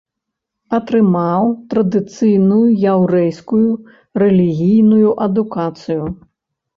Атрымаў традыцыйную яўрэйскую рэлігійную адукацыю.